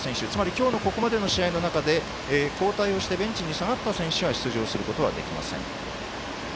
今日のここまでの試合の中で交代してベンチに下がった選手は出場することができません。